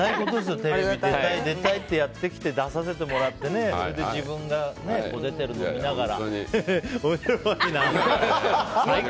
テレビ出たいって言って出させてもらって自分が出てるのを見ながら。